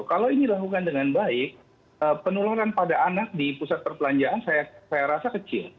kalau ini dilakukan dengan baik penularan pada anak di pusat perbelanjaan saya rasa kecil